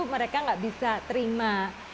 mereka nggak bisa terima